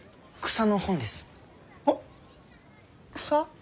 草。